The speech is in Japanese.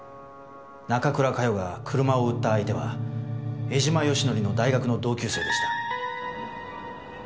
中倉佳世が車を売った相手は江島義紀の大学の同級生でした。